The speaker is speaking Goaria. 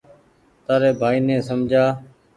تآري ڀآئي ني سمجهآ